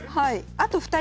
あと２人。